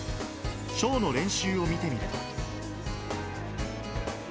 ショーの練習を見てみると。